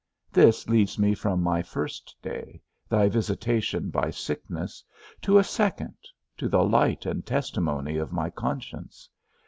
This leads me from my first day, thy visitation by sickness, to a second, to the light and testimony of my conscience.